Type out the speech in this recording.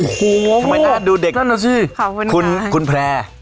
โอ้โหทำไมน่าดูเด็กนั่นนะสิขอบคุณค่ะคุณคุณแพร่